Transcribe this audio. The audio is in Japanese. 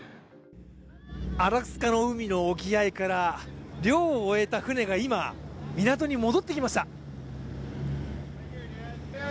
アラスカの海の沖合から漁を終えた船が今、港に戻ってきました。